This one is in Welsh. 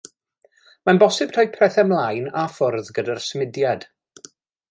Mae'n bosib troi pethau mlaen a ffwrdd gyda'r symudiad.